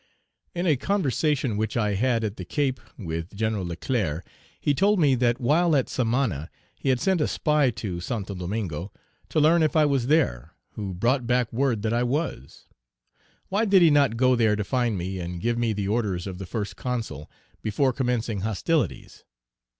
Page 322 In a conversation which I had at the Cape with Gen. Leclerc, he told me that while at Samana he had sent a spy to Santo Domingo to learn if I was there, who brought back word that I was. Why did he not go there to find me and give me the orders of the First Consul, before commencing hostilities?